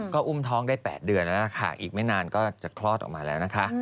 ก็อุ้มท้องได้๘เดือนแล้วนะคะอีกไม่นานก็จะคลอดออกมาแล้วนะคะ